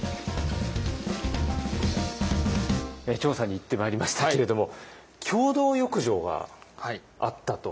調査に行ってまいりましたけれども共同浴場があったと。